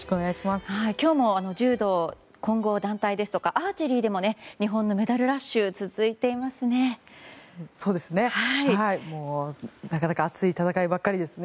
今日も柔道混合団体ですとかアーチェリーでも日本のメダルラッシュがそうですね。